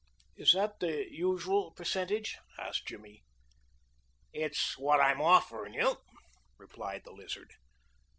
"Is that the usual percentage?" asked Jimmy. "It's what I'm offerin' you," replied the lizard.